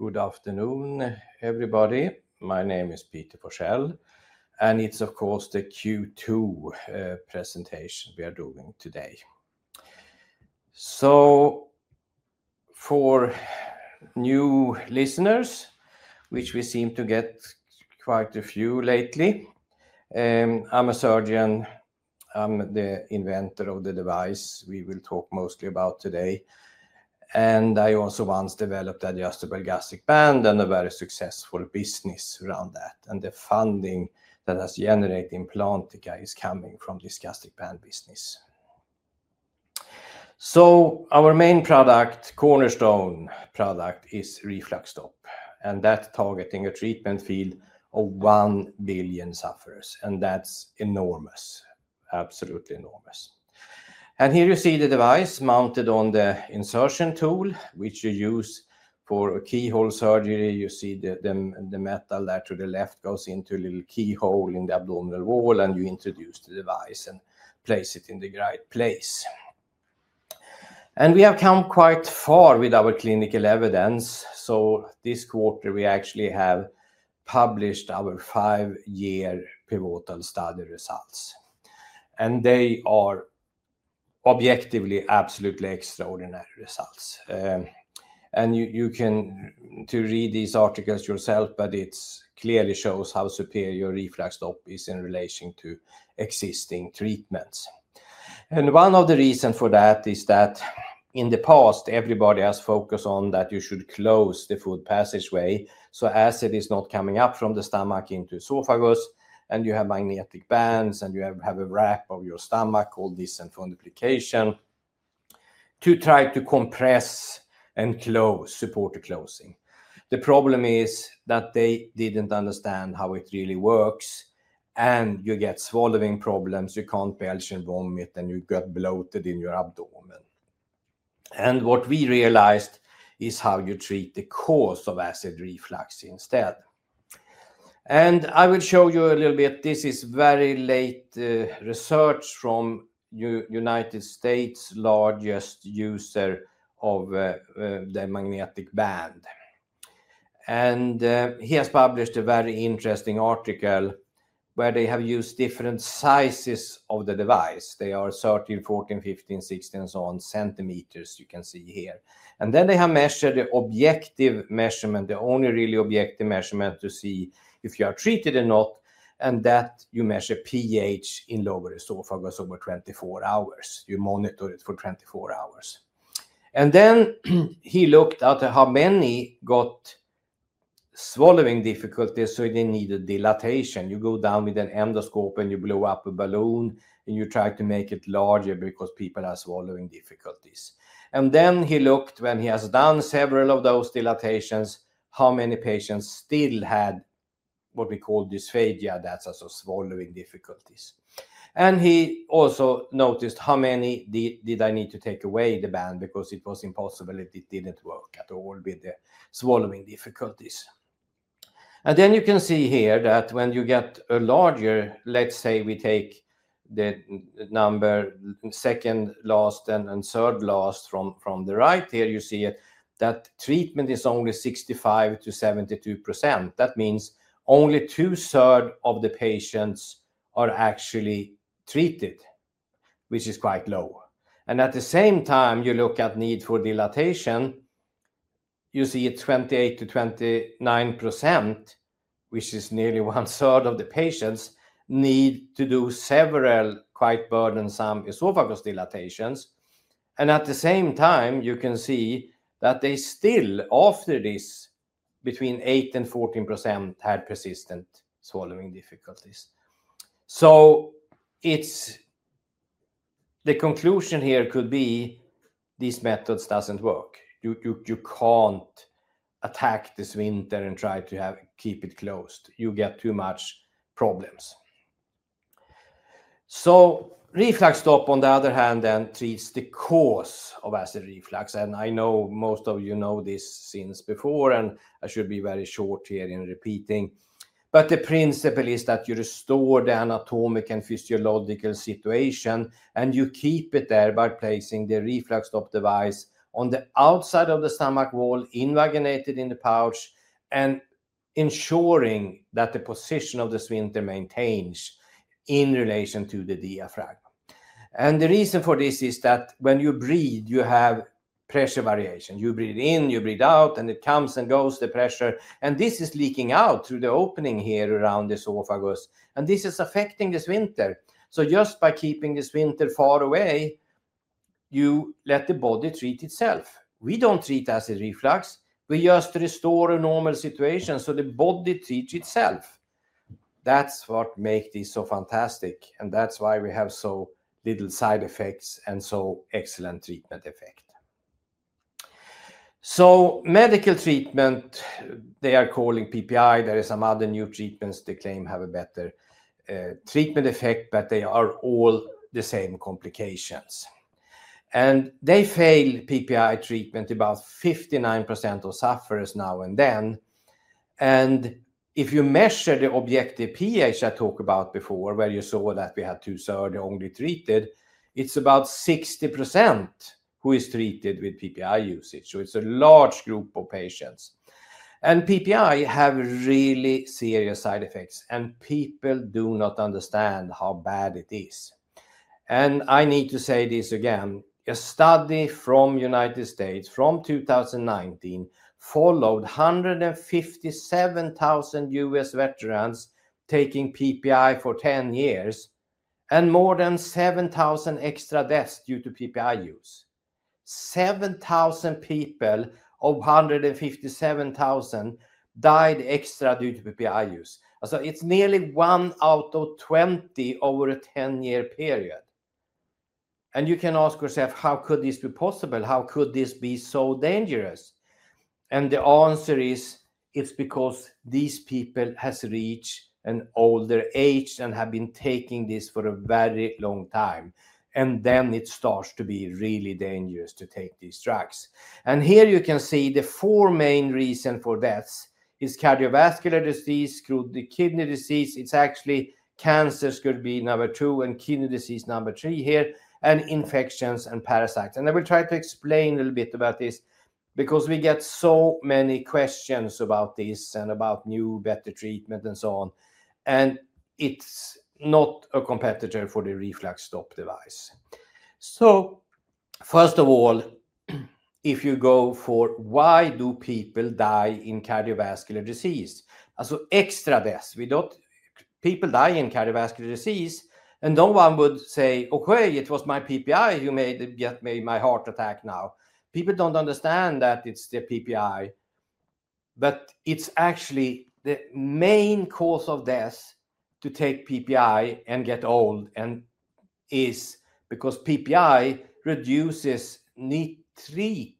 Good afternoon everybody. My name is Peter Forsell and it's of course the Q2 presentation we are doing today. For new listeners which we seem to get quite a few lately I'm a surgeon. I'm the inventor of the device we will talk mostly about today. I also once developed an adjustable gastric band and a very successful business around that. The funding that has generated Implantica is coming from this gastric band business. Our main product cornerstone product is RefluxStop and that's targeting a treatment field of 1 billion sufferers. That's enormous absolutely enormous. Here you see the device mounted on the insertion tool which you use for a keyhole surgery. You see the metal that to the left goes into a little keyhole in the abdominal wall and you introduce the device and place it in the right place. We have come quite far with our clinical evidence. This quarter we actually have published our five-year pivotal study results. They are objectively absolutely extraordinary results. You can read these articles yourself but it clearly shows how superior RefluxStop is in relation to existing treatments. One of the reasons for that is that in the past everybody has focused on that you should close the food passageway so acid is not coming up from the stomach into the esophagus and you have magnetic bands and you have a wrap of your stomach called Nissen fundoplication to try to compress and close supported closing. The problem is that they didn't understand how it really works and you get swallowing problems. You can't belch and vomit and you get bloated in your abdomen. What we realized is how you treat the cause of acid reflux instead. I will show you a little bit. This is very late research from the United States' largest user of the magnetic band. He has published a very interesting article where they have used different sizes of the device. They are 13 14 15 16 and so on centimeters you can see here. They have measured the objective measurement the only really objective measurement to see if you are treated or not and that you measure pH in lower esophagus over 24 hours. You monitor it for 24 hours. He looked at how many got swallowing difficulties so they needed dilatation. You go down with an endoscope and you blow up a balloon and you try to make it larger because people have swallowing difficulties. He looked when he has done several of those dilatations how many patients still had what we call dysphagia that's also swallowing difficulties. He also noticed how many did I need to take away the band because it was impossible if it didn't work at all with the swallowing difficulties. You can see here that when you get a larger let's say we take the number the second last and third last from the right here you see that treatment is only 65%-72%. That means only 2/3 of the patients are actually treated which is quite low. At the same time you look at need for dilatation you see it's 28%-29% which is nearly 1/3 of the patients need to do several quite burdensome esophagus dilatations. At the same time you can see that they still after this between 8% and 14% had persistent swallowing difficulties. The conclusion here could be this method doesn't work. You can't attack the sphincter and try to keep it closed. You get too much problems. RefluxStop on the other hand then treats the cause of acid reflux. I know most of you know this since before and I should be very short here in repeating. The principle is that you restore the anatomic and physiological situation and you keep it there by placing the RefluxStop device on the outside of the stomach wall invaginated in the pouch and ensuring that the position of the sphincter maintains in relation to the diaphragm. The reason for this is that when you breathe you have pressure variation. You breathe in you breathe out and it comes and goes the pressure. This is leaking out through the opening here around the esophagus and this is affecting the sphincter. Just by keeping the sphincter far away you let the body treat itself. We don't treat acid reflux. We just restore a normal situation so the body treats itself. That's what makes this so fantastic and that's why we have so little side effects and so excellent treatment effect. Medical treatment they are calling PPI. There are some other new treatments they claim have a better treatment effect but they are all the same complications. They fail PPI treatment about 59% of sufferers now and then. If you measure the objective pH I talked about before where you saw that we had 2/3 only treated it's about 60% who is treated with PPI usage. It's a large group of patients. PPI has really serious side effects and people do not understand how bad it is. I need to say this again. A study from the United States from 2019 followed 157,000 U.S. veterans taking PPI for 10 years and more than 7,000 extra deaths due to PPI use. 7,000 people of 157,000 died extra due to PPI use. It's nearly 1 out of 20 over a 10-year period. You can ask yourself how could this be possible? How could this be so dangerous? The answer is it's because these people have reached an older age and have been taking this for a very long time. It starts to be really dangerous to take these drugs. Here you can see the four main reasons for deaths are cardiovascular disease kidney disease. It's actually cancer could be number two and kidney disease number three here and infections and parasites. I will try to explain a little bit about this because we get so many questions about this and about new better treatment and so on. It's not a competitor for the RefluxStop device. First of all if you go for why do people die in cardiovascular disease extra deaths. People die in cardiovascular disease and no one would say okay it was my PPI who made it get me my heart attack now. People don't understand that it's the PPI but it's actually the main cause of death to take PPI and get old is because PPI reduces nitric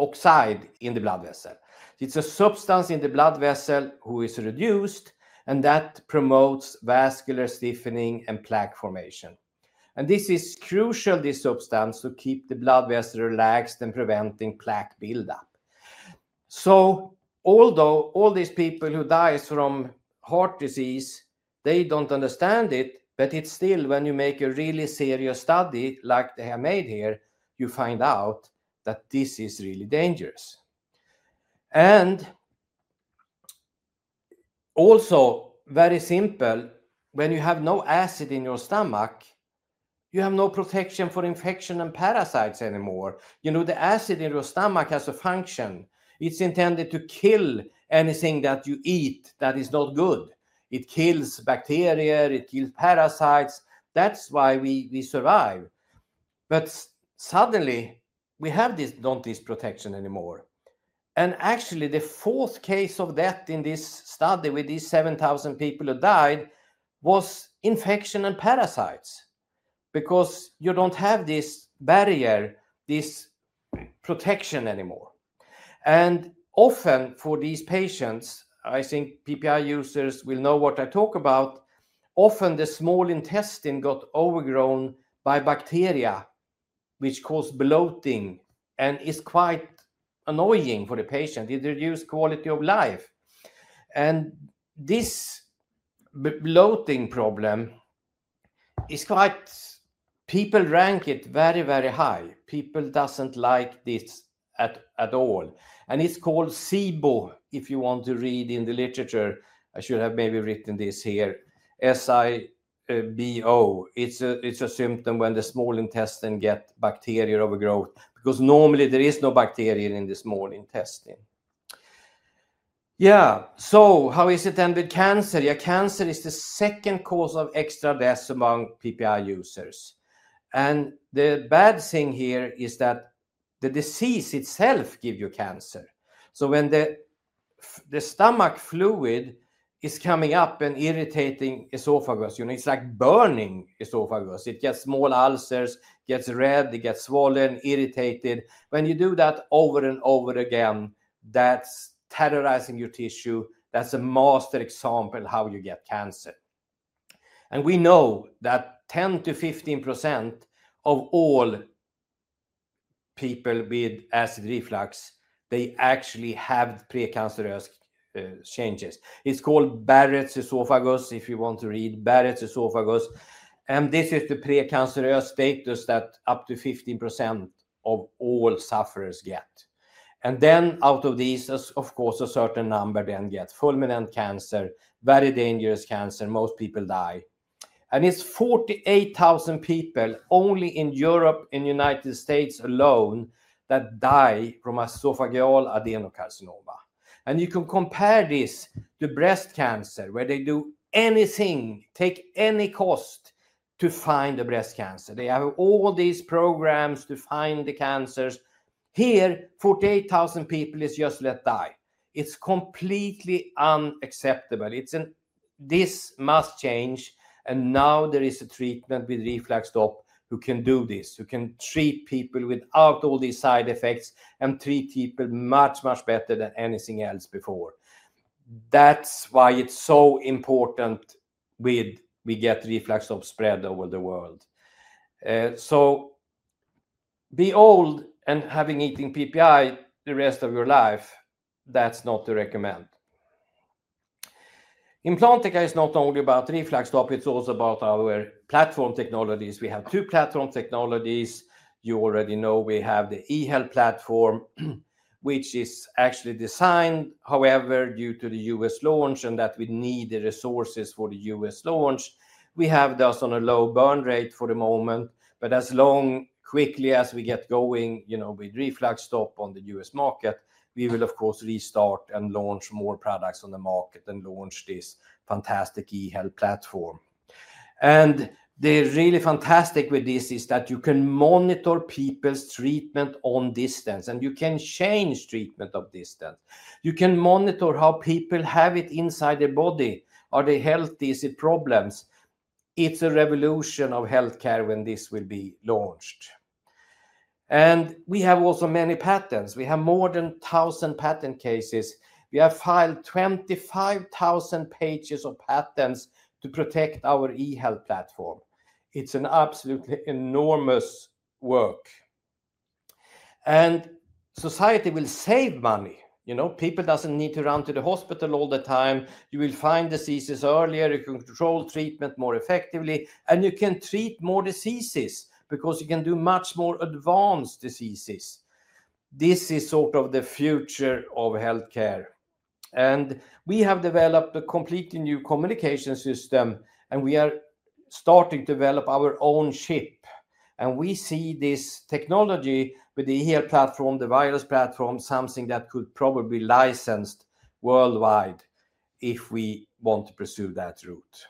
oxide in the blood vessel. It's a substance in the blood vessel which is reduced and that promotes vascular stiffening and plaque formation. This is crucial this substance to keep the blood vessel relaxed and preventing plaque buildup. Although all these people who die from heart disease they don't understand it but it's still when you make a really serious study like they have made here you find out that this is really dangerous. Also very simple when you have no acid in your stomach you have no protection for infection and parasites anymore. You know the acid in your stomach has a function. It's intended to kill anything that you eat that is not good. It kills bacteria it kills parasites. That's why we survive. Suddenly we have this protection anymore. Actually the fourth case of death in this study with these 7,000 people who died was infection and parasites because you don't have this barrier this protection anymore. Often for these patients I think PPI users will know what I talk about. Often the small intestine got overgrown by bacteria which caused bloating and is quite annoying for the patient. It reduced quality of life. This bloating problem is quite people rank it very very high. People doesn't like this at all. It's called SIBO if you want to read in the literature. I should have maybe written this here. S-I-B-O. It's a symptom when the small intestine gets bacterial overgrowth because normally there is no bacteria in the small intestine. Yeah. How is it then with cancer? Cancer is the second cause of extra deaths among PPI users. The bad thing here is that the disease itself gives you cancer. When the stomach fluid is coming up and irritating esophagus you know it's like burning esophagus. It gets small ulcers gets red it gets swollen irritated. When you do that over and over again that's terrorizing your tissue. That's a master example of how you get cancer. We know that 10%-15% of all people with acid reflux they actually have precancerous changes. It's called Barrett's esophagus if you want to read Barrett's esophagus. This is the precancerous status that up to 15% of all sufferers get. Out of these of course a certain number then gets fulminant cancer very dangerous cancer. Most people die. It's 48,000 people only in Europe in the United States alone that die from esophageal adenocarcinoma. You can compare this to breast cancer where they do anything take any cost to find the breast cancer. They have all these programs to find the cancers. Here 48,000 people are just let die. It's completely unacceptable. This must change. Now there is a treatment with RefluxStop who can do this who can treat people without all these side effects and treat people much much better than anything else before. That's why it's so important we get RefluxStop spread over the world. Be old and have been eating PPI the rest of your life. That's not to recommend. Implantica is not only about RefluxStop. It's also about our platform technologies. We have two platform technologies. You already know we have the eHealth platform which is actually designed however due to the U.S. launch and that we need the resources for the U.S. launch. We have this on a low burn rate for the moment but as quickly as we get going you know with RefluxStop on the U.S. market we will of course restart and launch more products on the market and launch this fantastic eHealth platform. The really fantastic thing with this is that you can monitor people's treatment at a distance and you can change treatment at a distance. You can monitor how people have it inside their body. Are they healthy? Is it problems? It's a revolution of healthcare when this will be launched. We have also many patents. We have more than 1,000 patent cases. We have filed 25,000 pages of patents to protect our eHealth platform. It's an absolutely enormous work. Society will save money. You know people doesn't need to run to the hospital all the time. You will find diseases earlier. You can control treatment more effectively and you can treat more diseases because you can do much more advanced diseases. This is sort of the future of healthcare. We have developed a completely new communication system and we are starting to develop our own chip. We see this technology with the eHealth platform the virus platform something that could probably be licensed worldwide if we want to pursue that route.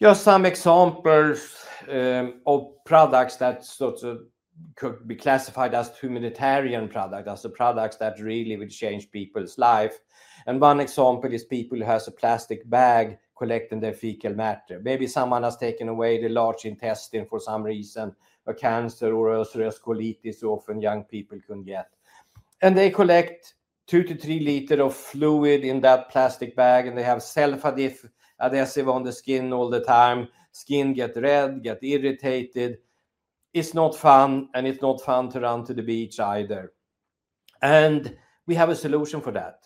Just some examples of products that could be classified as humanitarian product as the products that really will change people's lives. One example is people who have a plastic bag collecting their fecal matter. Maybe someone has taken away the large intestine for some reason a cancer or ulcerative colitis often young people can get. They collect 2 liters-3 liters of fluid in that plastic bag and they have self-adhesive on the skin all the time. Skin gets red gets irritated. It's not fun and it's not fun to run to the beach either. We have a solution for that.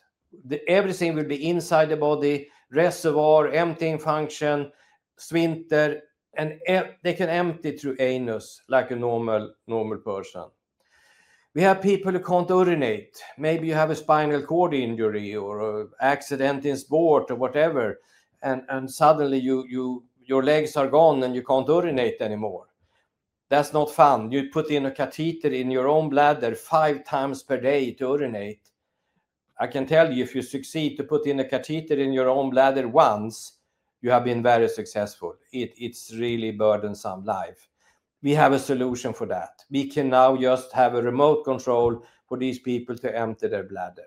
Everything will be inside the body reservoir emptying function sphincter and they can empty through anus like a normal person. We have people who can't urinate. Maybe you have a spinal cord injury or an accident in sport or whatever and suddenly your legs are gone and you can't urinate anymore. That's not fun. You put in a catheter in your own bladder 5x per day to urinate. I can tell you if you succeed to put in a catheter in your own bladder once you have been very successful. It's really a burdensome life. We have a solution for that. We can now just have a remote control for these people to empty their bladder.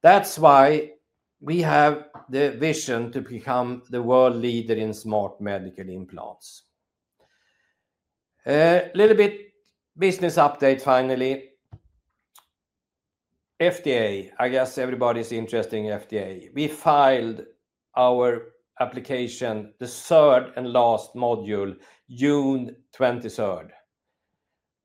That's why we have the vision to become the world leader in smart medical implants. A little bit business update finally. FDA I guess everybody's interested in FDA. We filed our application the third and last module June 23rd.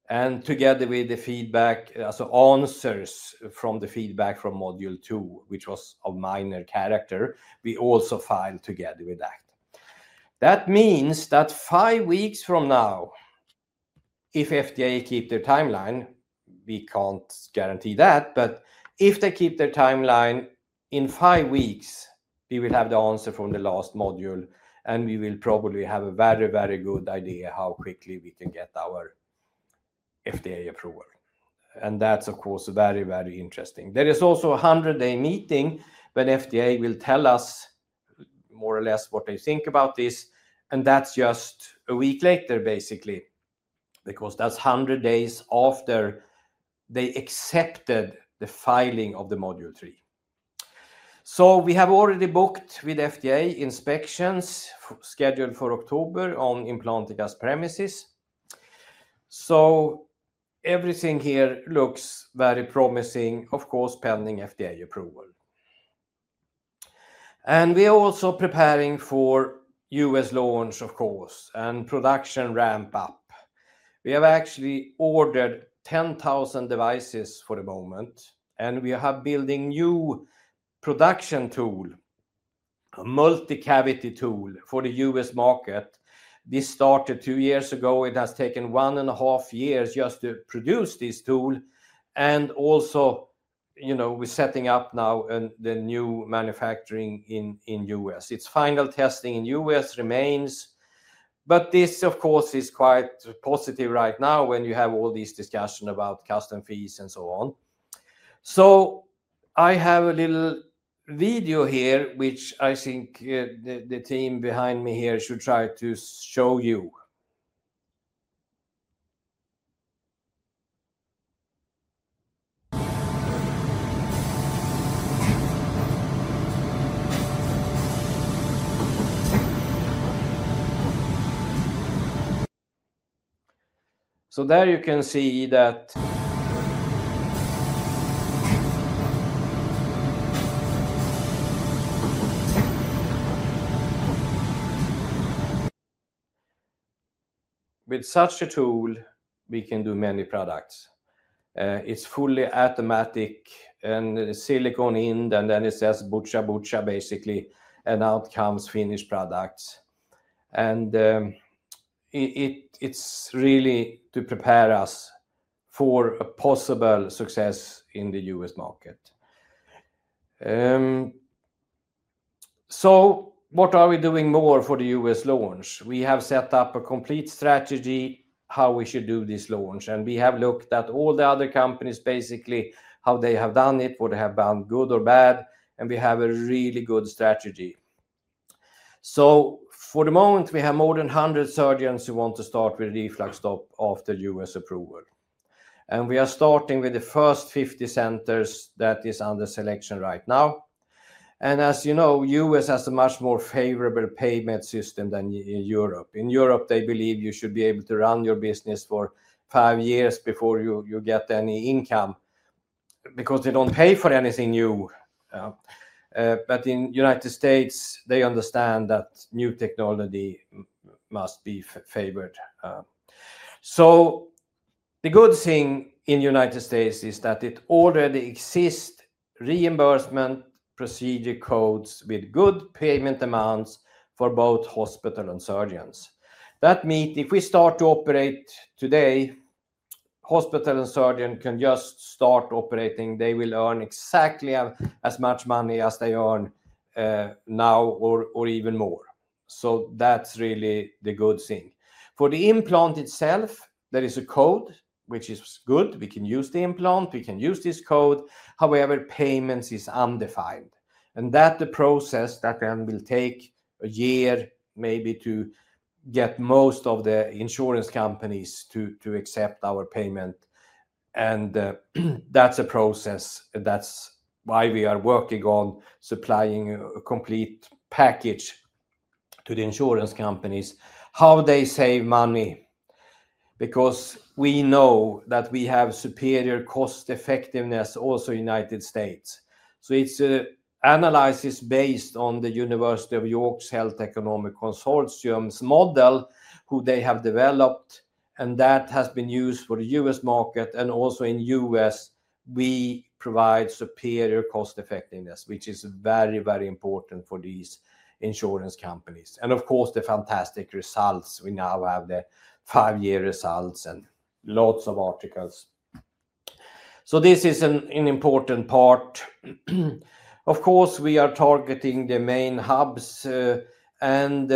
Together with the feedback so answers from the feedback from Module 2 which was of minor character we also filed together with that. That means that five weeks from now if FDA keeps their timeline we can't guarantee that but if they keep their timeline in five weeks we will have the answer from the last module and we will probably have a very very good idea how quickly we can get our FDA approval. That's of course very very interesting. There is also a 100-day meeting when FDA will tell us more or less what they think about this and that's just a week later basically because that's 100 days after they accepted the filing of the Module 3. We have already booked with FDA inspections scheduled for October on Implantica's premises. Everything here looks very promising of course pending FDA approval. We are also preparing for U.S. launch of course and production ramp up. We have actually ordered 10,000 devices for the moment and we are building a new production tool a multi-cavity tool for the U.S. market. We started two years ago. It has taken 1.5 years just to produce this tool. Also you know we're setting up now the new manufacturing in U.S. It's final testing in U.S. remains but this of course is quite positive right now when you have all these discussions about custom fees and so on. I have a little video here which I think the team behind me here should try to show you. There you can see that with such a tool we can do many products. It's fully automatic and silicone in and then it says butcher butcher basically and out comes finished products. It's really to prepare us for a possible success in the U.S. market. What are we doing more for the U.S. launch? We have setup a complete strategy how we should do this launch and we have looked at all the other companies basically how they have done it what they have done good or bad and we have a really good strategy. For the moment we have more than 100 surgeons who want to start with RefluxStop after U.S. approval. We are starting with the first 50 centers that are under selection right now. As you know U.S. has a much more favorable payment system than Europe. In Europe they believe you should be able to run your business for five years before you get any income because they don't pay for anything new. In United States they understand that new technology must be favored. The good thing in the U.S. is that it already exists reimbursement procedure codes with good payment amounts for both hospitals and surgeons. That means if we start to operate today hospitals and surgeons can just start operating. They will earn exactly as much money as they earn now or even more. That's really the good thing. For the implant itself there is a code which is good. We can use the implant. We can use this code. However payments are undefined. That's the process that will take a year maybe to get most of the insurance companies to accept our payment. That's a process. That's why we are working on supplying a complete package to the insurance companies how they save money. We know that we have superior cost effectiveness also in the United States. It's an analysis based on the University of York's Health Economic Consortium's model who they have developed and that has been used for the U.S. market. Also in the U.S. we provide superior cost effectiveness which is very very important for these insurance companies. Of course the fantastic results we now have the five-year results and lots of articles. This is an important part. Of course we are targeting the main hubs and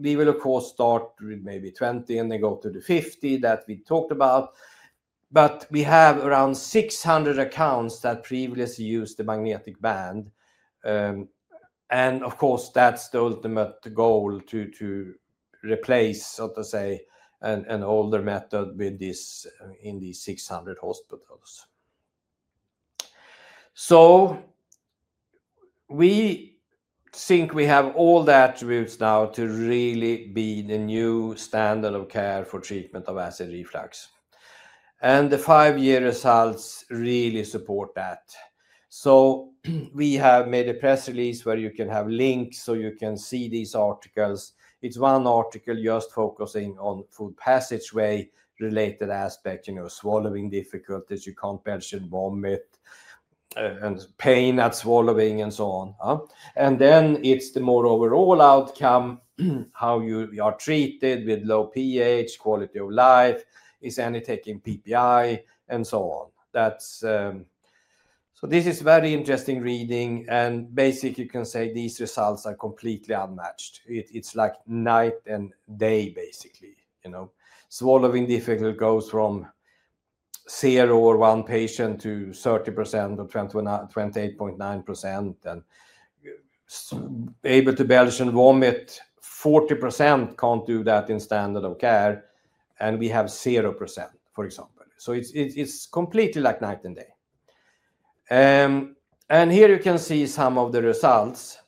we will of course start with maybe 20 and then go to the 50 that we talked about. We have around 600 accounts that previously used the magnetic band. That's the ultimate goal to replace so to say an older method with this in these 600 hospitals. We think we have all the attributes now to really be the new standard of care for treatment of acid reflux. The five-year results really support that. We have made a press release where you can have links so you can see these articles. It's one article just focusing on food passageway-related aspects you know swallowing difficulties you can't belch and vomit and pain at swallowing and so on. Then it's the more overall outcome how you are treated with low pH quality of life is any taking PPI and so on. This is a very interesting reading. Basically you can say these results are completely unmatched. It's like night and day basically. You know swallowing difficulty goes from zero or one patient to 30% or 28.9%. Able to belch and vomit 40% can't do that in standard of care. We have 0% for example. It's completely like night and day. Here you can see some of the results.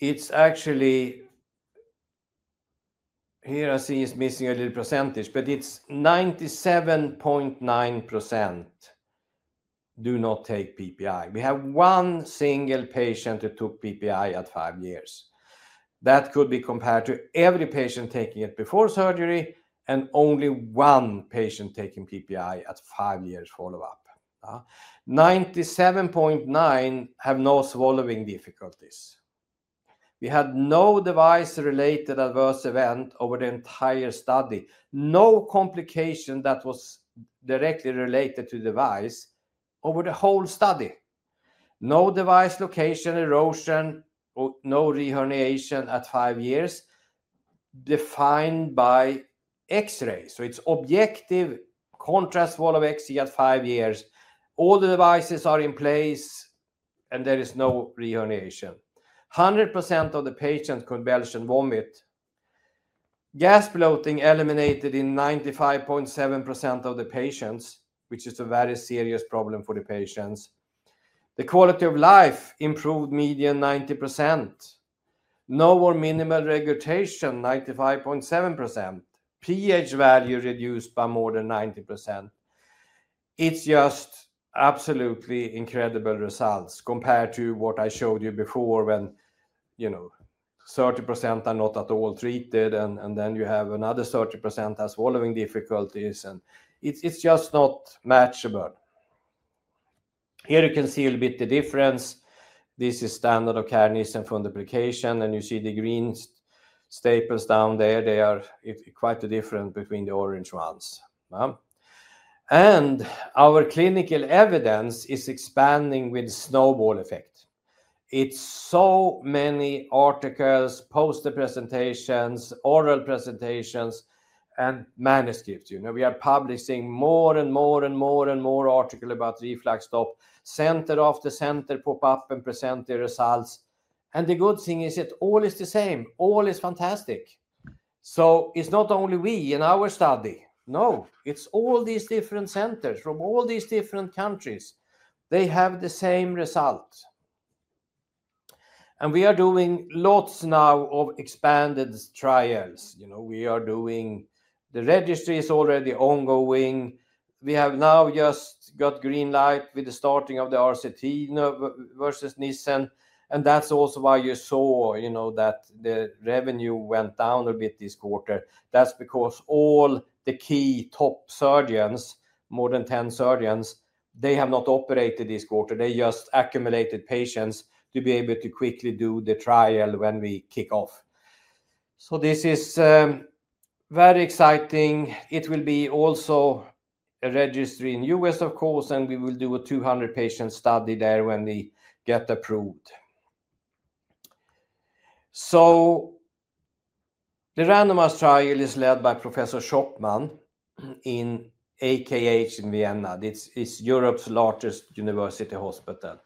It's actually here I see it's missing a little percentage but it's 97.9% do not take PPI. We have one single patient who took PPI at five years. That could be compared to every patient taking it before surgery and only one patient taking PPI at five years follow-up. 97.9% have no swallowing difficulties. We had no device-related adverse event over the entire study. No complication that was directly related to the device over the whole study. No device location erosion or no re-herniation at five years defined by X-rays. It's objective contrast wall of XC at five years. All the devices are in place and there is no re-herniation. 100% of the patients could belch and vomit. Gas bloating eliminated in 95.7% of the patients which is a very serious problem for the patients. The quality of life improved median 90%. No or minimal regurgitation 95.7%. pH value reduced by more than 90%. It's just absolutely incredible results compared to what I showed you before when you know 30% are not at all treated and then you have another 30% have swallowing difficulties and it's just not matchable. Here you can see a little bit of the difference. This is standard of care Nissen fundoplication and you see the green staples down there. They are quite different between the orange ones. Our clinical evidence is expanding with the snowball effect. It's so many articles poster presentations oral presentations and manuscripts. We are publishing more and more and more and more articles about RefluxStop center after center pop up and present their results. The good thing is that all is the same. All is fantastic. It's not only we in our study. No it's all these different centers from all these different countries. They have the same result. We are doing lots now of expanded trials. The registry is already ongoing. We have now just got green light with the starting of the RCT versus Nissen. That's also why you saw that the revenue went down a bit this quarter. That's because all the key top surgeons more than 10 surgeons have not operated this quarter. They just accumulated patients to be able to quickly do the trial when we kick off. This is very exciting. It will be also a registry in the U.S. of course and we will do a 200-patient study there when we get approved. The randomized trial is led by Professor Schoppmann in AKH in Vienna. It's Europe's largest university hospital.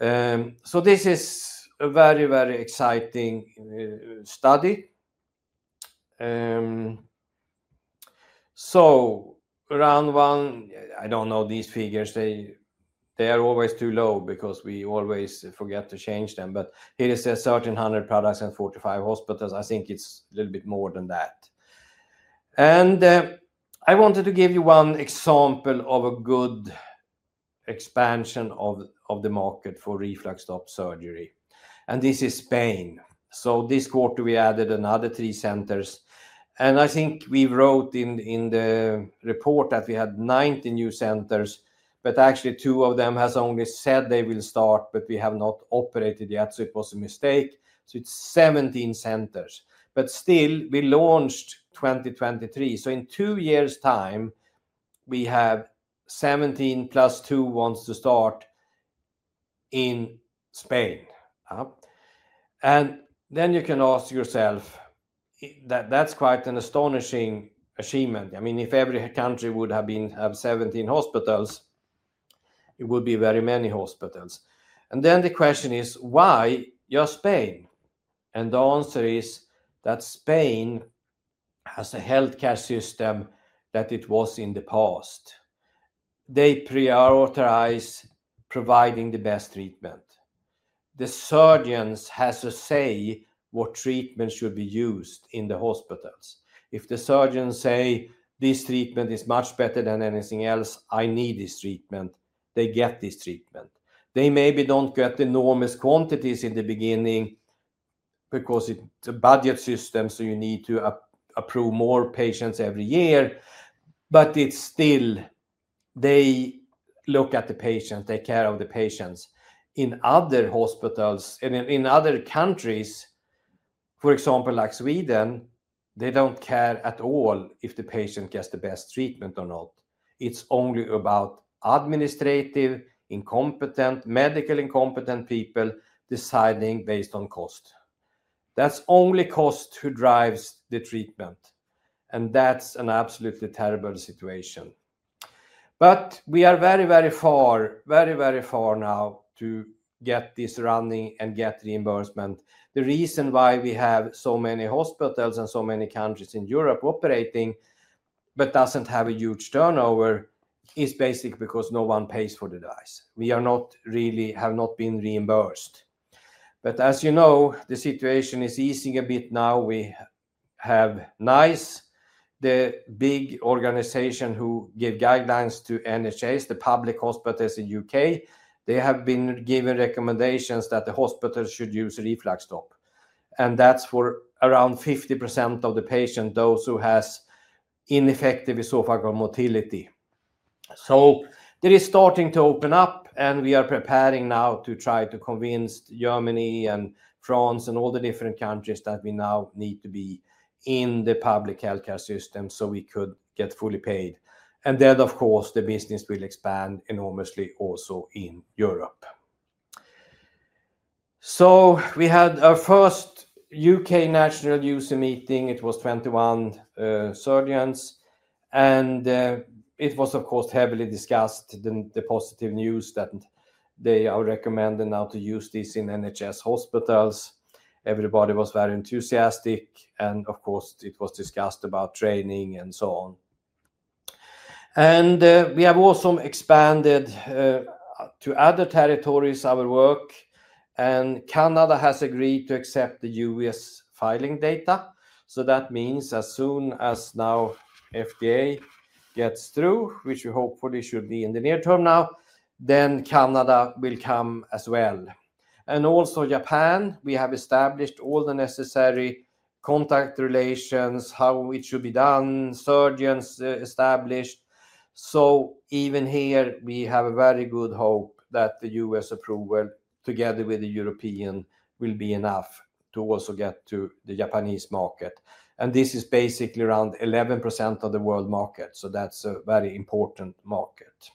This is a very very exciting study. Around one I don't know these figures. They are always too low because we always forget to change them. Here is a 1,300 products and 45 hospitals. I think it's a little bit more than that. I wanted to give you one example of a good expansion of the market for RefluxStop surgery. This is Spain. This quarter we added another three centers. I think we wrote in the report that we had 19 new centers but actually two of them have only said they will start but we have not operated yet. It was a mistake. It's 17 centers. Still we launched 2023. In two years' time we have 17 + 2 want to start in Spain. You can ask yourself that that's quite an astonishing achievement. I mean if every country would have been 17 hospitals it would be very many hospitals. The question is why just Spain? The answer is that Spain has a healthcare system that it was in the past. They prioritize providing the best treatment. The surgeons have to say what treatment should be used in the hospitals. If the surgeons say this treatment is much better than anything else I need this treatment they get this treatment. They maybe don't get enormous quantities in the beginning because it's a budget system so you need to approve more patients every year. Still they look at the patients take care of the patients. In other hospitals and in other countries for example like Sweden they don't care at all if the patient gets the best treatment or not. It's only about administrative incompetent medical incompetent people deciding based on cost. That's only cost who drives the treatment. That's an absolutely terrible situation. We are very very far very very far now to get this running and get reimbursement. The reason why we have so many hospitals and so many countries in Europe operating but doesn't have a huge turnover is basically because no one pays for the device. We have not really been reimbursed. As you know the situation is easing a bit now. We have NICE the big organization who gives guidelines to NHS the public hospitals in the U.K. They have been given recommendations that the hospitals should use RefluxStop. That's for around 50% of the patients those who have ineffective esophageal motility. That is starting to open up and we are preparing now to try to convince Germany and France and all the different countries that we now need to be in the public healthcare system so we could get fully paid. Of course the business will expand enormously also in Europe. We had our first U.K. national user meeting. It was 21 surgeons and it was of course heavily discussed the positive news that they are recommending now to use this in NHS hospitals. Everybody was very enthusiastic and of course it was discussed about training and so on. We have also expanded to other territories our work and Canada has agreed to accept the U.S. filing data. That means as soon as now FDA gets through which we hopefully should be in the near term now then Canada will come as well. Also Japan we have established all the necessary contact relations how it should be done surgeons established. Even here we have a very good hope that the U.S. approval together with the European will be enough to also get to the Japanese market. This is basically around 11% of the world market. That's a very important market.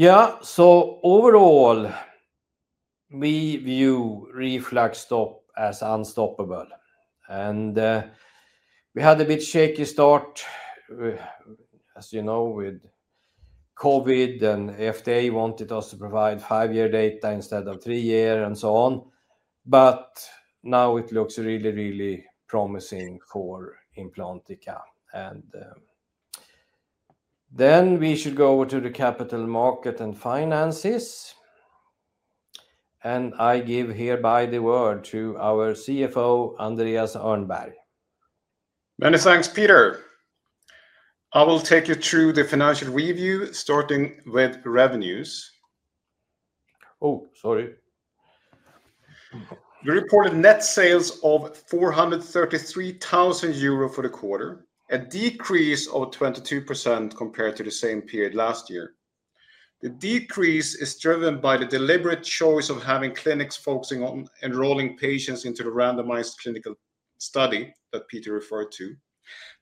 Overall we view RefluxStop as unstoppable. We had a bit of a shaky start as you know with COVID and FDA wanted us to provide five-year data instead of three years and so on. Now it looks really really promising for Implantica. We should go over to the capital market and finances. I give hereby the word to our CFO Andreas Öhrnberg. Many thanks Peter. I will take you through the financial review starting with revenues. We reported net sales of 433,000 euro for the quarter a decrease of 22% compared to the same period last year. The decrease is driven by the deliberate choice of having clinics focusing on enrolling patients into the randomized clinical study that Peter referred to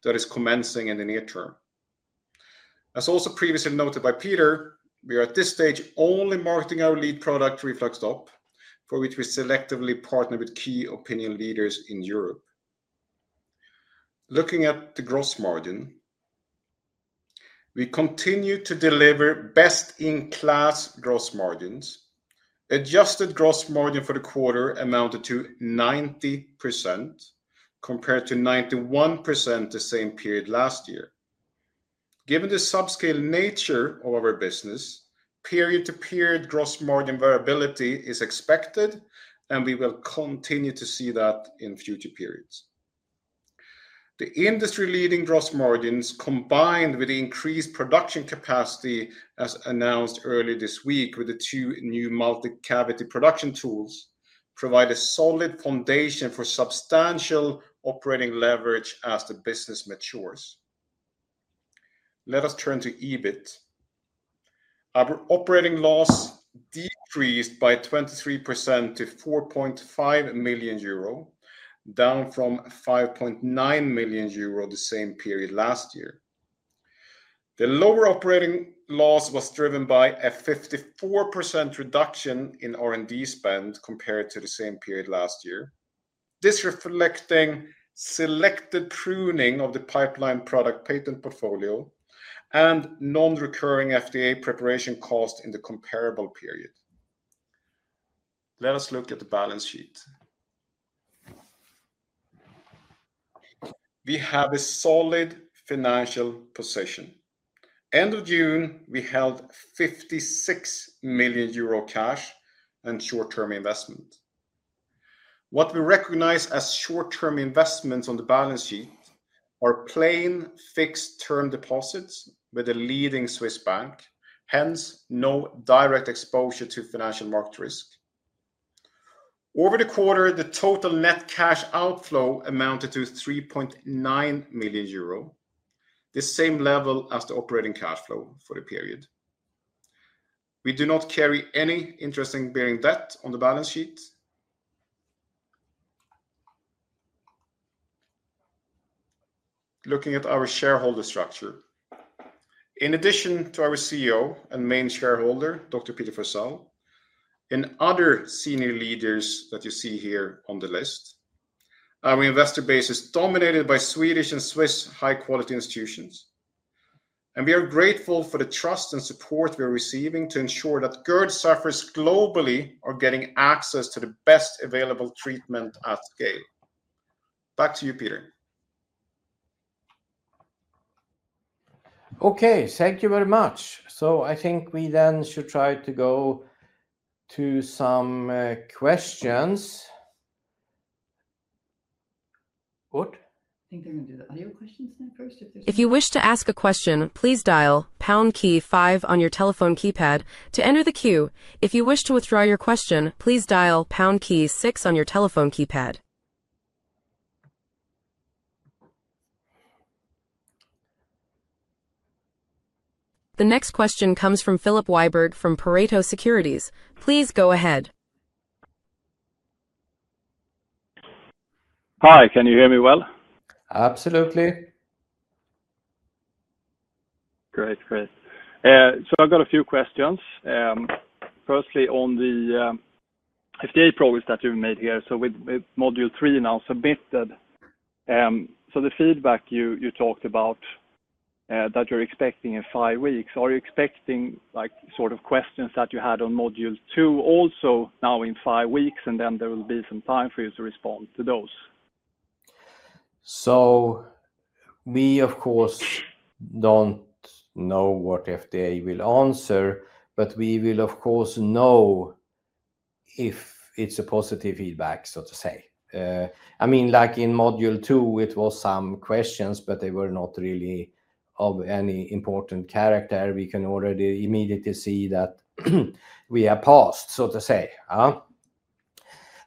that is commencing in the near term. As also previously noted by Peter we are at this stage only marketing our lead product RefluxStop for which we selectively partner with key opinion leaders in Europe. Looking at the gross margin we continue to deliver best-in-class gross margins. Adjusted gross margin for the quarter amounted to 90% compared to 91% the same period last year. Given the subscale nature of our business period-to-period gross margin variability is expected and we will continue to see that in future periods. The industry-leading gross margins combined with increased production capacity as announced earlier this week with the two new multi-cavity production tools provide a solid foundation for substantial operating leverage as the business matures. Let us turn to EBIT. Our operating loss decreased by 23% to 4.5 million euro down from 5.9 million euro the same period last year. The lower operating loss was driven by a 54% reduction in R&D spend compared to the same period last year. This reflecting selective pruning of the pipeline product patent portfolio and non-recurring FDA preparation costs in the comparable period. Let us look at the balance sheet. We have a solid financial position. End of June we held 56 million euro cash and short-term investments. What we recognize as short-term investments on the balance sheet are plain fixed-term deposits with a leading Swiss bank hence no direct exposure to financial market risk. Over the quarter the total net cash outflow amounted to 3.9 million euro the same level as the operating cash flow for the period. We do not carry any interest bearing debt on the balance sheet. Looking at our shareholder structure in addition to our CEO and main shareholder Dr. Peter Forsell and other senior leaders that you see here on the list our investor base is dominated by Swedish and Swiss high-quality institutions. We are grateful for the trust and support we are receiving to ensure that GERD sufferers globally are getting access to the best available treatment at scale. Back to you Peter. Okay thank you very much. I think we then should try to go to some questions. If you wish to ask a question please dial pound key five on your telephone keypad to enter the queue. If you wish to withdraw your question please dial pound key six on your telephone keypad. The next question comes from Filip Wiberg from Pareto Securities. Please go ahead. Hi can you hear me well? Absolutely. Great great. I've got a few questions. Firstly on the FDA progress that you've made here with Module 3 now submitted the feedback you talked about that you're expecting in five weeks are you expecting like sort of questions that you had on Module 2 also now in five weeks and then there will be some time for you to respond to those? We of course don't know what the FDA will answer but we will of course know if it's a positive feedback so to say. I mean like in Module 2 it was some questions but they were not really of any important character. We can already immediately see that we are past so to say.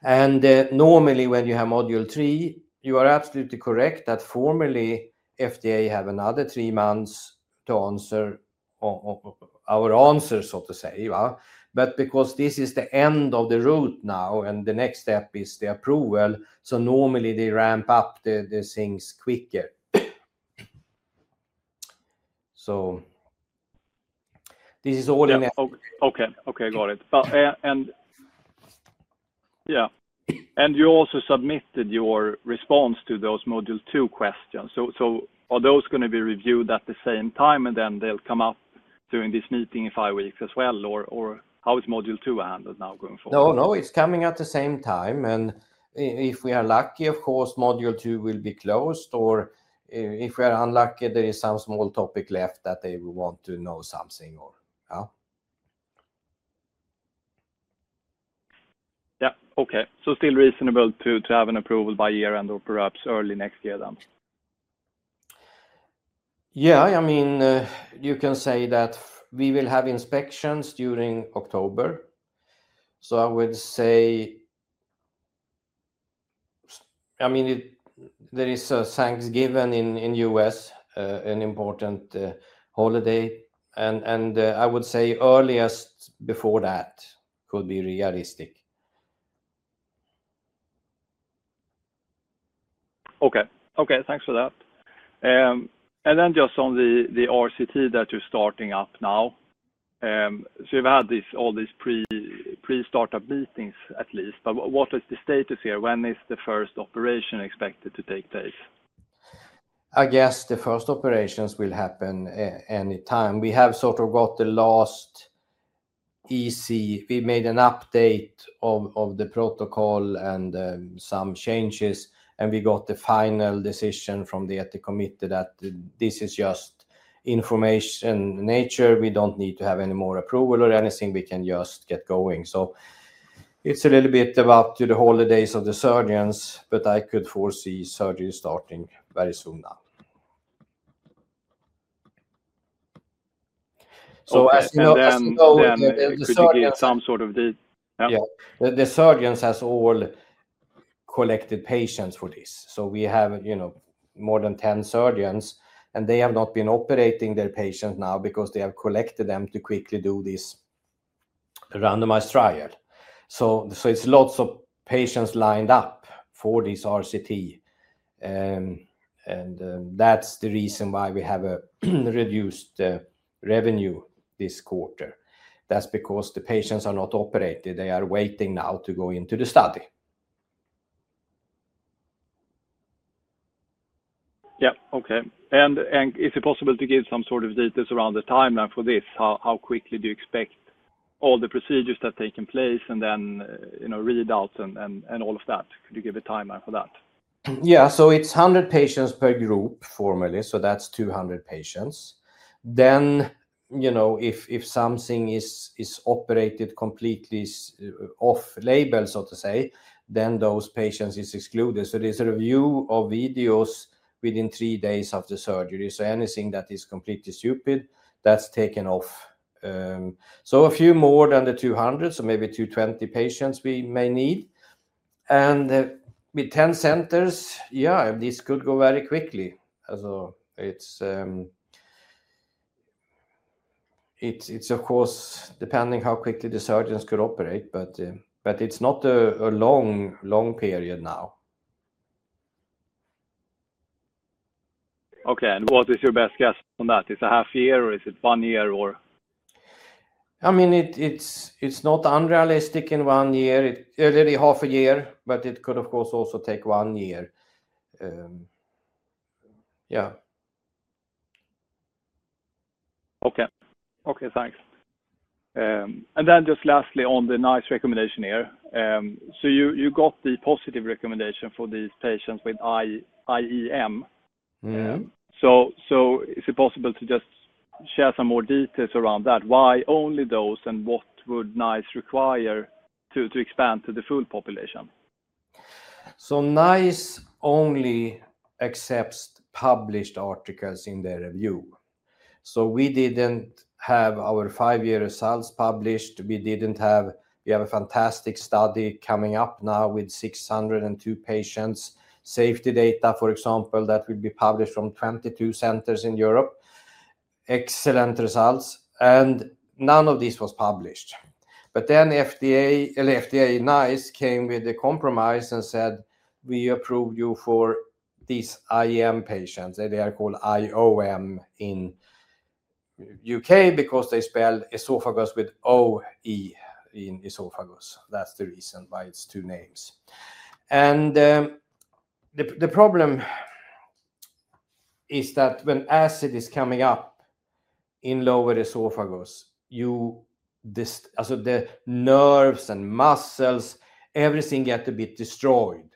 Normally when you have Module 3 you are absolutely correct that formally FDA has another three months to answer our answers so to say. Because this is the end of the road now and the next step is the approval normally they ramp up the things quicker. This is all in. Okay got it. You also submitted your response to those Module 2 questions. Are those going to be reviewed at the same time and then they'll come up during this meeting in five weeks as well? How is Module 2 handled now going forward? No no it's coming at the same time. If we are lucky of course Module 2 will be closed. If we are unlucky there is some small topic left that they will want to know something or. Okay. Still reasonable to have an approval by year end or perhaps early next year then? Yeah you can say that we will have inspections during October. I would say there is a Thanksgiving in U.S. an important holiday. I would say earliest before that could be realistic. Okay thanks for that. On the RCT that you're starting up now you've had all these pre-startup meetings at least. What is the status here? When is the first operation expected to take place? I guess the first operations will happen anytime. We have sort of got the last EC we made an update of the protocol and some changes and we got the final decision from the Ethics Committee that this is just information in nature. We don't need to have any more approval or anything. We can just get going. It's a little bit up to the holidays of the surgeons but I could foresee surgery starting very soon now. As you know the surgeons have some sort of the. Yeah the surgeons have all collected patients for this. We have you know more than 10 surgeons and they have not been operating their patients now because they have collected them to quickly do this randomized trial. It's lots of patients lined up for this RCT. That's the reason why we have a reduced revenue this quarter. That's because the patients are not operated. They are waiting now to go into the study. Okay. Is it possible to give some sort of details around the timeline for this? How quickly do you expect all the procedures to take place and then you know readouts and all of that? Could you give a timeline for that? Yeah so it's 100 patients per group formally. That's 200 patients. If something is operated completely off label so to say those patients are excluded. There's a review of videos within three days after surgery. Anything that is completely stupid that's taken off. A few more than the 200 so maybe 220 patients we may need. With 10 centers this could go very quickly. It's of course depending how quickly the surgeons could operate but it's not a long long period now. Okay what is your best guess on that? Is it a half year or is it one year? I mean it's not unrealistic in one year. It's already half a year but it could of course also take one year. Okay thanks. Lastly on the NICE recommendation here you got the positive recommendation for these patients with IEM. Is it possible to just share some more details around that? Why only those and what would NICE require to expand to the full population? NICE only accepts published articles in their review. We didn't have our five-year results published. We have a fantastic study coming up now with 602 patients safety data for example that will be published from 22 centers in Europe. Excellent results. None of this was published. FDA NICE came with a compromise and said we approve you for these IEM patients. They are called IOM in the U.K. because they spell esophagus with O-E in esophagus. That's the reason why it's two names. The problem is that when acid is coming up in lower esophagus the nerves and muscles everything gets a bit destroyed.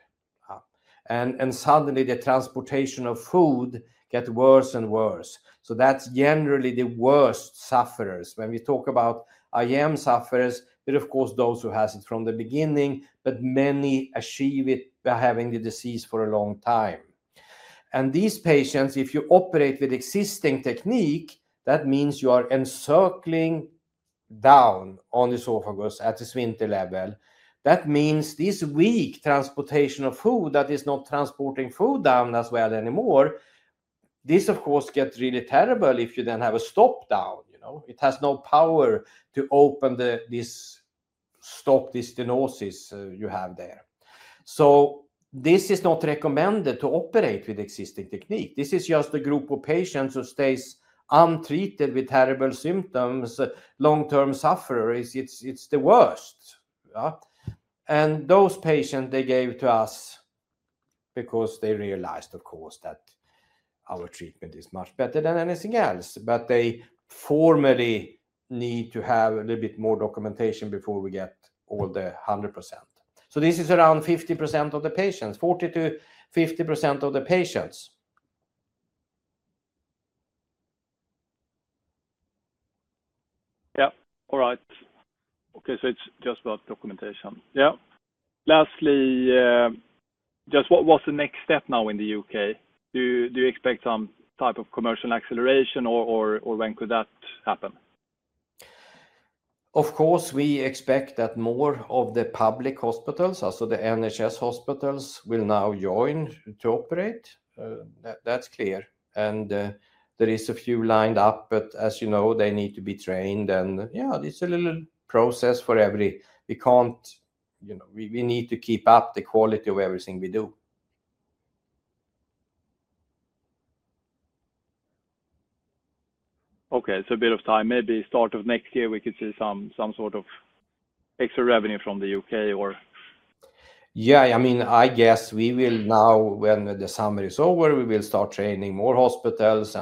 Suddenly the transportation of food gets worse and worse. That's generally the worst sufferers. When we talk about IEM sufferers of course those who have it from the beginning but many achieve it by having the disease for a long time. These patients if you operate with existing technique that means you are encircling down on esophagus at the sphincter level. That means this weak transportation of food that is not transporting food down as well anymore gets really terrible if you then have a stop down. It has no power to open this stop this stenosis you have there. This is not recommended to operate with existing technique. This is just a group of patients who stay untreated with terrible symptoms long-term sufferers. It's the worst. Those patients they gave to us because they realized of course that our treatment is much better than anything else. They formally need to have a little bit more documentation before we get all the 100%. This is around 50% of the patients 40%-50% of the patients. All right. Okay so it's just about documentation. Lastly just what was the next step now in the U.K.? Do you expect some type of commercial acceleration or when could that happen? Of course we expect that more of the public hospitals also the NHS hospitals will now join to operate. That's clear. There are a few lined up but as you know they need to be trained. It's a little process for every. We can't you know we need to keep up the quality of everything we do. Okay so a bit of time maybe start of next year we could see some sort of extra revenue from the U.K. or. Yeah I mean I guess we will now when the summer is over we will start training more hospitals.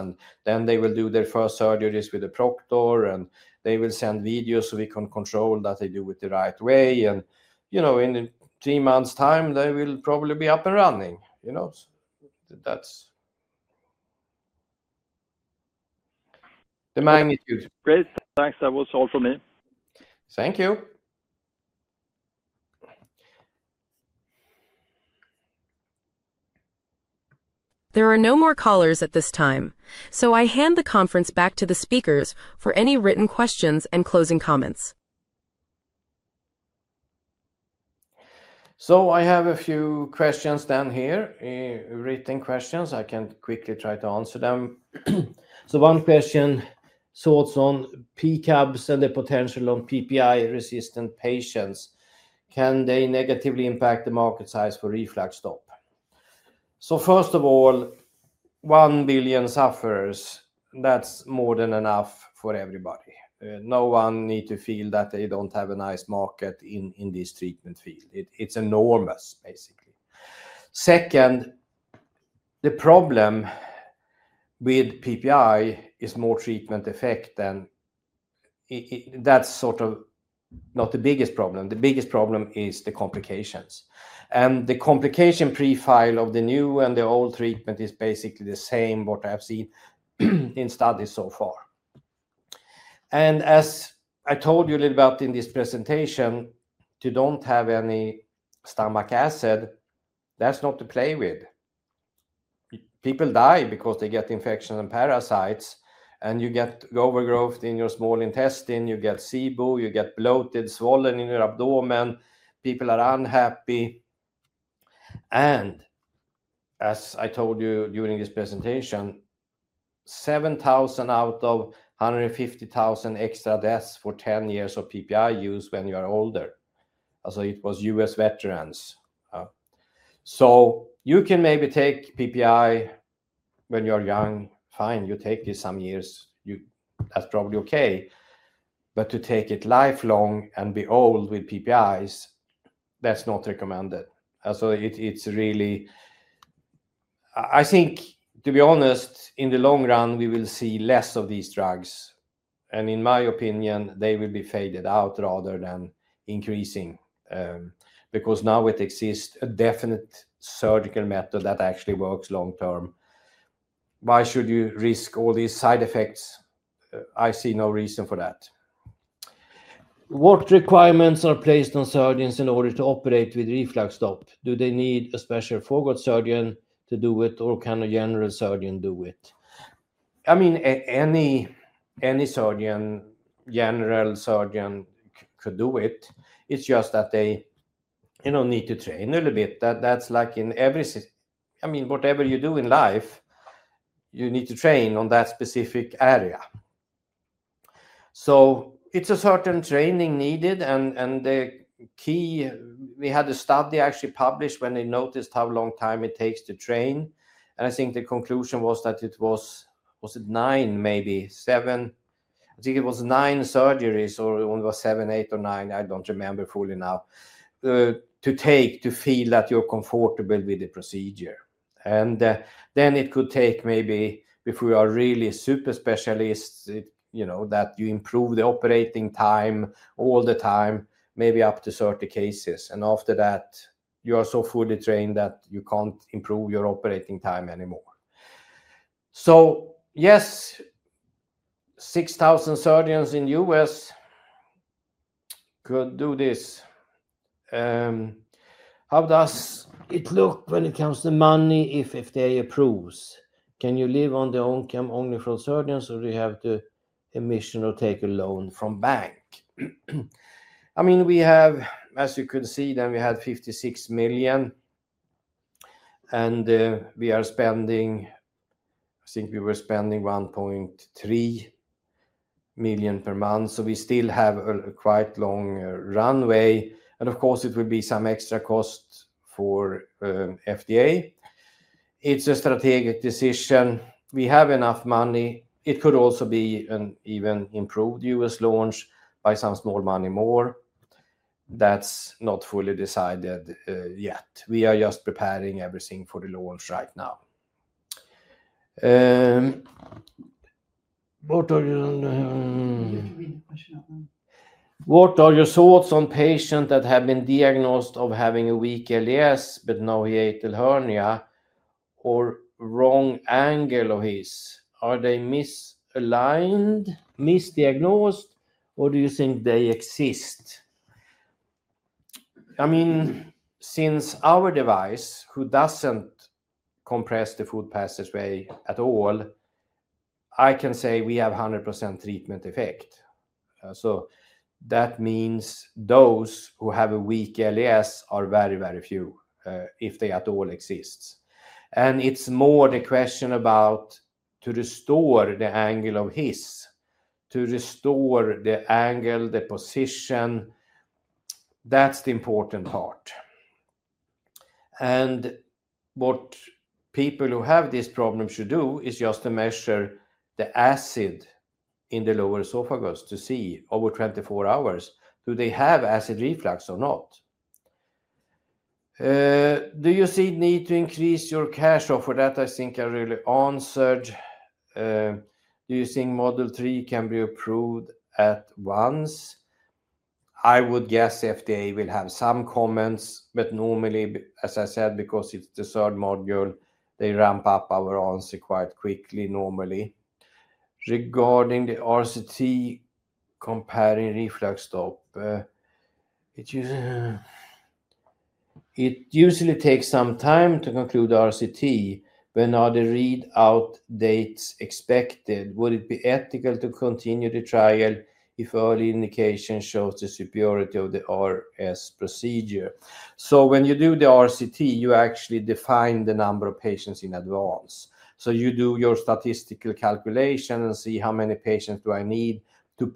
They will do their first surgeries with the Proctor and they will send videos so we can control that they do it the right way. In three months' time they will probably be up and running. You know that's the magnitude. Great thanks. That was all for me. Thank you. There are no more callers at this time. I hand the conference back to the speakers for any written questions and closing comments. I have a few questions down here written questions. I can quickly try to answer them. One question sorts on PCABs and the potential on PPI-resistant patients. Can they negatively impact the market size for RefluxStop? First of all 1 billion sufferers that's more than enough for everybody. No one needs to feel that they don't have a nice market in this treatment field. It's enormous basically. Second the problem with PPI is more treatment effect and that's sort of not the biggest problem. The biggest problem is the complications. The complication profile of the new and the old treatment is basically the same what I have seen in studies so far. As I told you a little bit in this presentation if you don't have any stomach acid that's not to play with. People die because they get infections and parasites and you get overgrowth in your small intestine you get SIBO you get bloated swollen in your abdomen people are unhappy. As I told you during this presentation 7,000 out of 150,000 extra deaths for 10 years of PPI use when you are older. It was U.S. veterans. You can maybe take PPI when you're young fine. You take it some years that's probably okay. To take it lifelong and be old with PPIs that's not recommended. I think to be honest in the long run we will see less of these drugs. In my opinion they will be faded out rather than increasing because now it exists a definite surgical method that actually works long term. Why should you risk all these side effects? I see no reason for that. What requirements are placed on surgeons in order to operate with RefluxStop? Do they need a special foregut surgeon to do it or can a general surgeon do it? Any surgeon general surgeon could do it. It's just that they need to train a little bit. That's like in every whatever you do in life you need to train on that specific area. It's a certain training needed and the key we had a study actually published when they noticed how long time it takes to train. I think the conclusion was that it was was it nine maybe seven? I think it was nine surgeries or it was seven eight or nine I don't remember fully now to take to feel that you're comfortable with the procedure. Then it could take maybe before you are really super specialists you know that you improve the operating time all the time maybe up to 30 cases. After that you are so fully trained that you can't improve your operating time anymore. Yes 6,000 surgeons in U.S. could do this. How does it look when it comes to money if FDA approves? Can you live on the income only from surgeons or do you have to emission or take a loan from bank? I mean we have as you can see then we had 56 million and we are spending I think we were spending 1.3 million per month. We still have a quite long runway. Of course it will be some extra costs for FDA. It's a strategic decision. We have enough money. It could also be an even improved U.S. launch by some small money more. That's not fully decided yet. We are just preparing everything for the launch right now. What are your thoughts on patients that have been diagnosed of having a weak LES but no hiatal hernia or wrong angle of His? Are they misaligned misdiagnosed or do you think they exist? I mean since our device which doesn't compress the food passageway at all I can say we have 100% treatment effect. That means those who have a weak LES are very very few if they at all exist. It's more the question about restoring the angle of His to restore the angle the position. That's the important part. What people who have this problem should do is just to measure the acid in the lower esophagus to see over 24 hours if they have acid reflux or not. Do you see need to increase your cash offer? That I think I really answered. Do you think Model 3 can be approved at once? I would guess FDA will have some comments but normally as I said because it's the third module they ramp up our answer quite quickly normally. Regarding the RCT comparing RefluxStop it usually takes some time to conclude the RCT. When are the readout dates expected? Would it be ethical to continue the trial if early indication shows the superiority of the RS procedure? When you do the RCT you actually define the number of patients in advance. You do your statistical calculation and see how many patients do I need to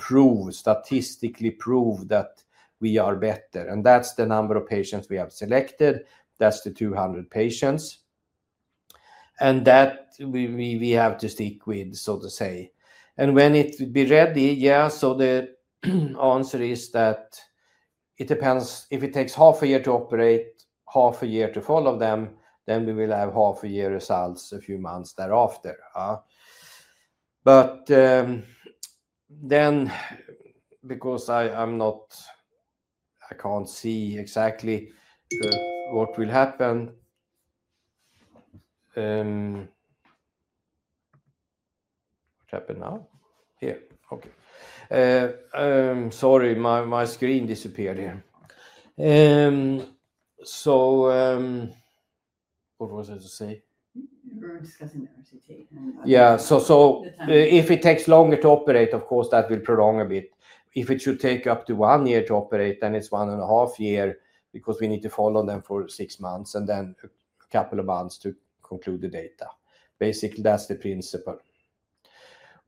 statistically prove that we are better. That's the number of patients we have selected. That's the 200 patients. We have to stick with so to say. When it will be ready the answer is that it depends. If it takes half a year to operate half a year to follow them then we will have half a year results a few months thereafter. I can't see exactly what will happen. If it takes longer to operate of course that will prolong a bit. If it should take up to one year to operate then it's one-and-a-half year because we need to follow them for six months and then a couple of months to conclude the data. Basically that's the principle.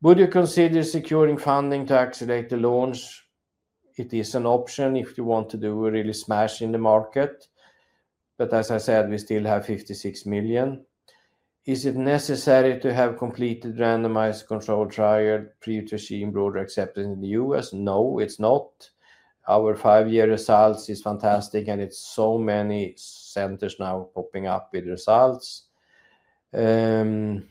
Would you consider securing funding to accelerate the launch? It is an option if you want to do a really smash in the market. As I said we still have 56 million. Is it necessary to have completed randomized controlled trial pre-regime broader acceptance in the U.S.? No it's not. Our five-year results are fantastic and it's so many centers now popping up with results. The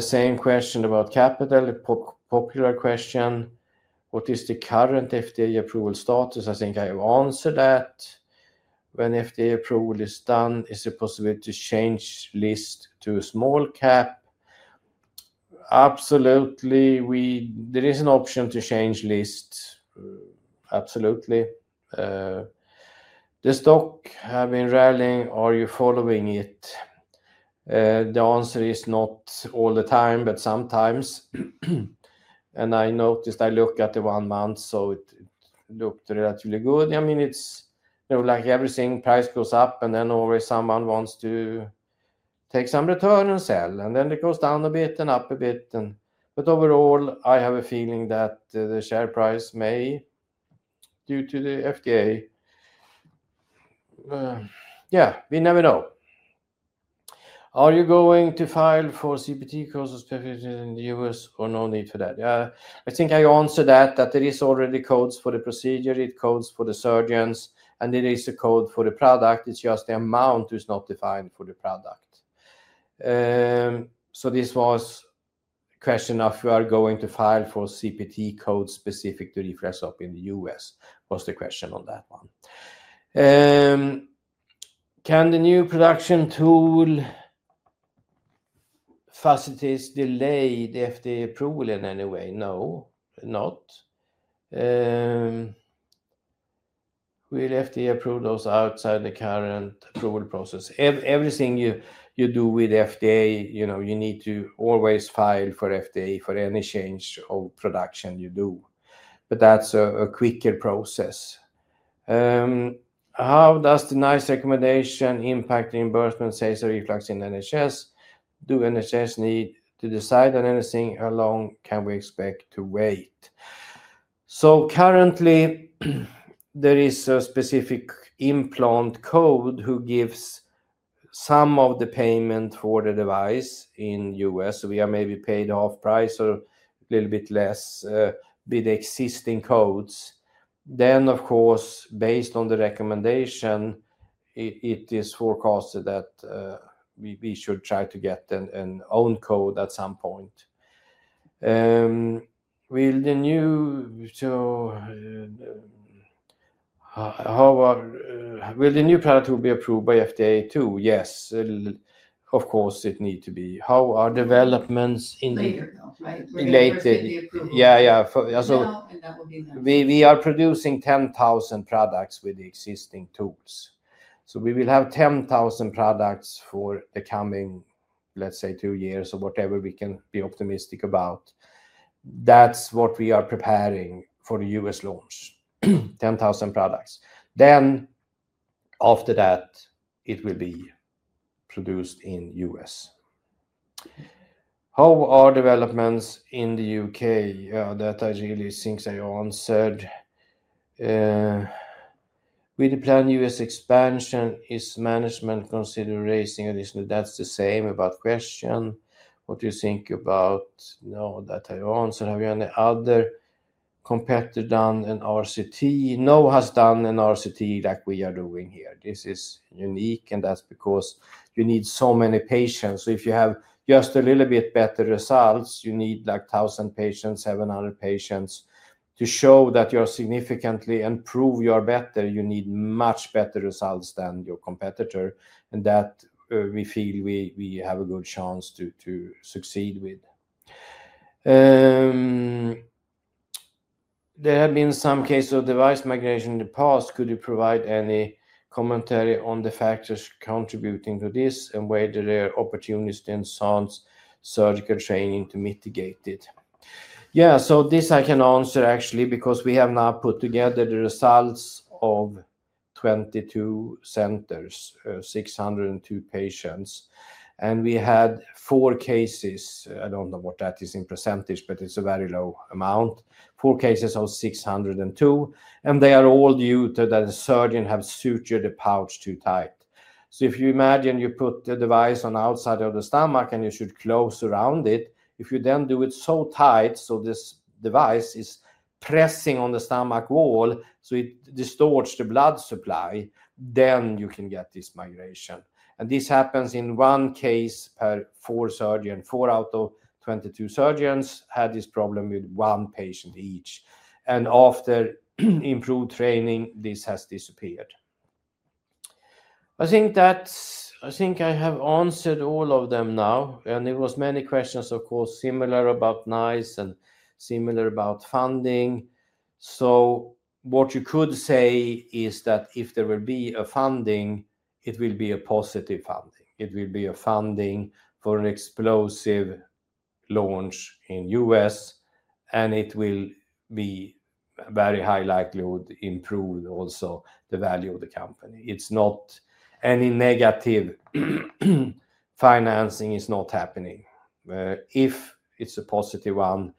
same question about capital a popular question. What is the current FDA approval status? I think I have answered that. When FDA approval is done is it possible to change list to a small cap? Absolutely. There is an option to change list. Absolutely. The stock has been rallying. Are you following it? The answer is not all the time but sometimes. I noticed I looked at the one month so it looked relatively good. I mean it's like everything price goes up and then always someone wants to take some return and sell. Then it goes down a bit and up a bit. Overall I have a feeling that the share price may due to the FDA. We never know. Are you going to file for CPT codes in the U.S. or no need for that? I think I answered that that there are already codes for the procedure codes for the surgeons and there is a code for the product. It's just the amount is not defined for the product. This was a question of if you are going to file for CPT codes specific to RefluxStop in the U.S. was the question on that one. Can the new production tool facilities delay the FDA approval in any way? No not. Will FDA approve those outside the current approval process? Everything you do with FDA you know you need to always file for FDA for any change of production you do. That's a quicker process. How does the NICE recommendation impact reimbursement say for RefluxStop in NHS? Do NHS need to decide on anything? How long can we expect to wait? Currently there is a specific implant code which gives some of the payment for the device in U.S. We are maybe paid half price or a little bit less with existing codes. Of course based on the recommendation it is forecasted that we should try to get an own code at some point. Will the new product be approved by FDA too? Yes of course it needs to be. How are developments in the latest? We are producing 10,000 products with the existing tools. We will have 10,000 products for the coming let's say two years or whatever we can be optimistic about. That's what we are preparing for the U.S. launch. 10,000 products. After that it will be produced in U.S. How are developments in the U.K.? I really think I answered. Will the planned U.S. expansion is management considered raising additional? That's the same about the question. What do you think about? No that I answered. Have you had any other competitor done an RCT? No one has done an RCT like we are doing here. This is unique and that's because you need so many patients. If you have just a little bit better results you need like 1,000 patients 700 patients to show that you are significantly improved you are better. You need much better results than your competitor. We feel we have a good chance to succeed with. There have been some cases of device migration in the past. Could you provide any commentary on the factors contributing to this and whether there are opportunities to enhance surgical training to mitigate it? This I can answer actually because we have now put together the results of 22 centers 602 patients. We had four cases. I don't know what that is in percentage but it's a very low amount. Four cases of 602 and they are all due to that a surgeon had sutured the pouch too tight. If you imagine you put the device on the outside of the stomach and you should close around it if you then do it so tight so this device is pressing on the stomach wall so it distorts the blood supply then you can get this migration. This happens in one case per four surgeons. 4 out of 22 surgeons had this problem with one patient each. After improved training this has disappeared. I think I have answered all of them now. There were many questions of course similar about NICE and similar about funding. What you could say is that if there will be a funding it will be a positive funding. It will be a funding for an explosive launch in U.S. It will be a very high likelihood to improve also the value of the company. It's not any negative financing is not happening. If it's a positive one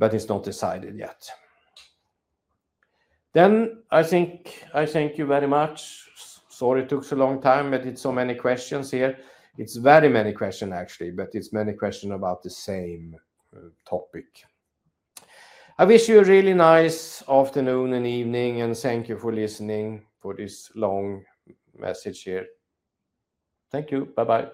but it's not decided yet. I thank you very much. Sorry it took so long but there are so many questions here. It's very many questions actually but it's many questions about the same topic. I wish you a really nice afternoon and evening and thank you for listening for this long message here. Thank you. Bye-bye.